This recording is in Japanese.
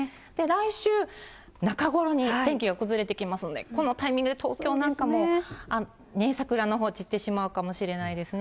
来週中ごろに天気が崩れてきますので、このタイミングで東京なんかも桜のほう、散ってしまうかもしれないですね。